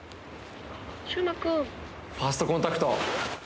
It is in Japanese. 「ファーストコンタクト！